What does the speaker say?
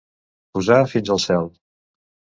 Posar fins al cel.